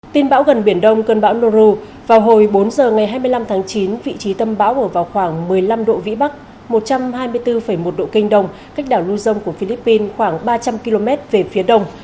tin bão gần biển đông cơn bão noru vào hồi bốn giờ ngày hai mươi năm tháng chín vị trí tâm bão ở vào khoảng một mươi năm độ vĩ bắc một trăm hai mươi bốn một độ kinh đông cách đảo luzon của philippines khoảng ba trăm linh km về phía đông